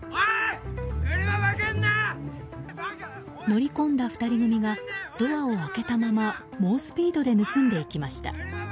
乗り込んだ２人組がドアを開けたまま猛スピードで盗んでいきました。